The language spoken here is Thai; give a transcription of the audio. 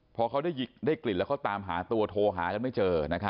พอเขาได้กลิ่นแล้วเขาตามหาตัวโทรหากันไม่เจอ